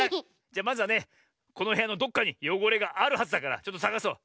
じゃまずはねこのへやのどこかによごれがあるはずだからちょっとさがそう。